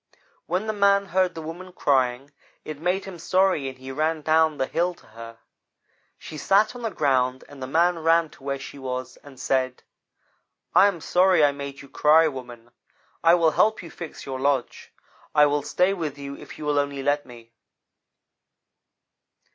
"When the man heard the woman crying, it made him sorry and he ran down the hill to her. She sat down on the ground, and the man ran to where she was and said: "'I am sorry I made you cry, woman. I will help you fix your lodge. I will stay with you, if you will only let me.'